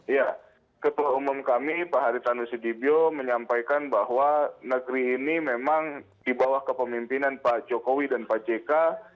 ya ketua umum kami pak haritanu sudibyo menyampaikan bahwa negeri ini memang di bawah kepemimpinan pak jokowi dan pak jk